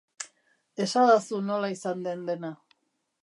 Esadazu nola izan zen dena.